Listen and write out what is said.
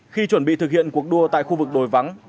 khi chuẩn bị thực hiện cuộc đua tại khu vực đồi vắng